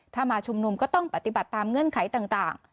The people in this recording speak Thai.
ถ้ามาชุมนุมก็ต้องปฏิบัติตามเงื่อนไขต่าง